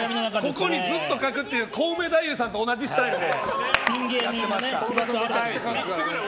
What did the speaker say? ここにずっと書くっていうコウメ太夫と同じスタイルで。